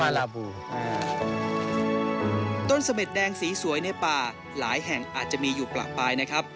ลาบูอ่าต้นเสม็ดแดงสีสวยในป่าหลายแห่งอาจจะมีอยู่ประปายนะครับ